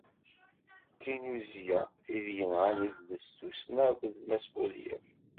D tinnuzya, tid yenɣan idles, tussna akked d Mass Buḍyaf.